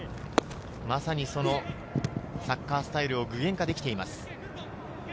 まさにそのサッカースタイルを具現化できています。